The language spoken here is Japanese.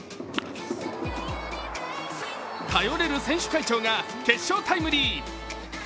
頼れる選手会長が決勝タイムリー。